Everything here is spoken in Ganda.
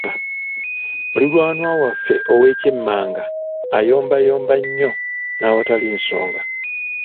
Muliraanwa waffe ow’ekyemmanga ayombayomba nnyo n’awatali nsonga.